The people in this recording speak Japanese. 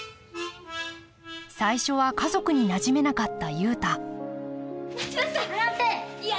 最初は家族になじめなかった雄太待ちなさい！